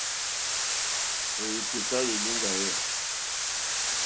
Òrzì kèká lìlìŋɡá hwɛ̂.